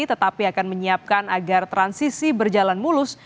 tetapi akan menyiapkan agar transisi berjalan mulus